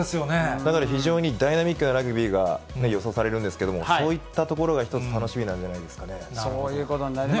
だから非常にダイナミックなラグビーが予想されるんですけれども、そういったところが、そういうことになりますね。